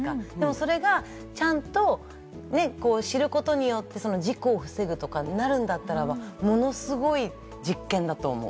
それがちゃんと知ることによって事故を防ぐとかになるんだったら、ものすごい実験だと思う。